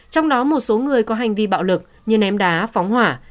trong đó một số người có hành vi bạo lực như ném đá phóng hỏa